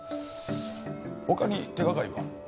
他に手がかりは？